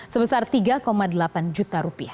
sebesar tiga delapan juta rupiah